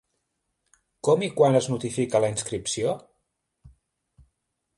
Com i quan es notifica la inscripció?